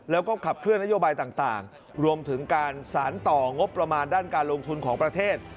แล้วก็ขับเคลื่อนนโยบายต่างรวมถึงการสารต่องบประมาณด้านการลงทุนของประเทศ